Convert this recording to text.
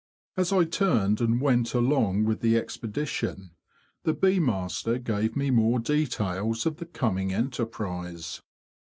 As I turned and went along with the expedition, the bee master gave me more details of the coming enterprise.